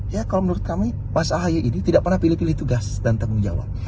ya kalau menurut kami mas ahaye ini tidak pernah pilih pilih tugas dan tanggung jawab